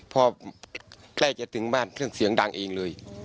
พอใกล้จะถึงบ้านเครื่องเสียงดังเองเลย